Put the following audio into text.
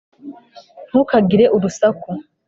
ntukagire urusaku